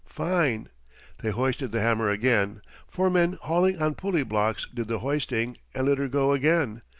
Fine! They hoisted the hammer again four men hauling on pulley blocks did the hoisting and let her go again.